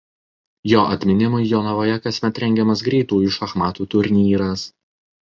Jo atminimui Jonavoje kasmet rengiamas Greitųjų šachmatų turnyras.